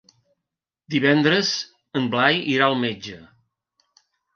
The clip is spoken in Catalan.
Divendres en Blai irà al metge.